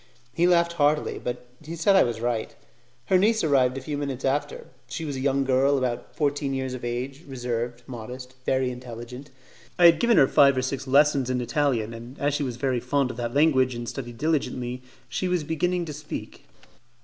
He laughed heartily, but he said I was right. Her niece arrived a few minutes after; she was a young girl about fourteen years of age, reserved, modest, and very intelligent. I had given her five or six lessons in Italian, and as she was very fond of that language and studied diligently she was beginning to speak.